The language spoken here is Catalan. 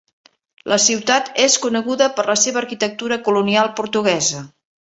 La ciutat és coneguda per la seva arquitectura colonial portuguesa.